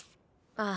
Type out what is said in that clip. ああ。